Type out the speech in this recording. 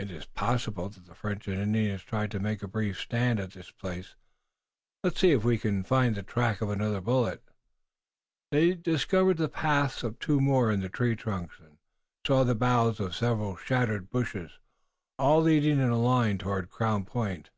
It is possible that the French and Indians tried to make a brief stand at this place. Let us see if we can find the track of other bullets." They discovered the paths of two more in tree trunks and saw the boughs of several shattered bushes, all leading in a line toward Crown Point.